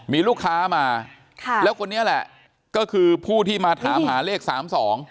มีลูกค้ามาค่ะแล้วคนนี้แหละก็คือผู้ที่มาถามหาเลขสามสอง